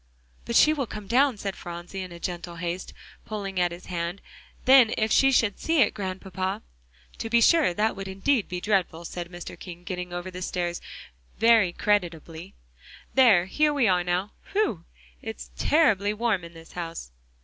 "But she will come down," said Phronsie, in gentle haste pulling at his hand, "then if she should see it, Grandpapa!" "To be sure; that would indeed be dreadful," said Mr. King, getting over the stairs very creditably. "There, here we are now. Whew! it's terribly warm in this house!"